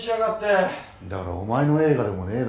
だからお前の映画でもねえだろ。